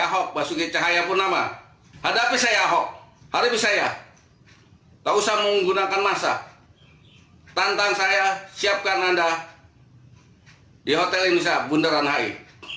hadapi saya ahok hadapi saya tak usah menggunakan masa tantang saya siapkan anda di hotel indonesia bundaran hi